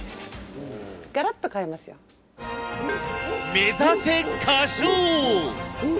目指せ『歌唱王』！